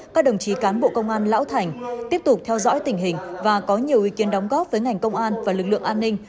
các đồng chí cán bộ công an lão thành tiếp tục theo dõi tình hình và có nhiều ý kiến đóng góp với ngành công an và lực lượng an ninh